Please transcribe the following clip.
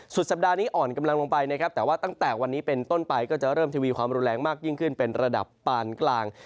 สัปดาห์นี้อ่อนกำลังลงไปนะครับแต่ว่าตั้งแต่วันนี้เป็นต้นไปก็จะเริ่มทีวีความรุนแรงมากยิ่งขึ้นเป็นระดับปานกลาง